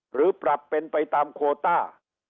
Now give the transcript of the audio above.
หรือปรับเป็นไปตามโคต้า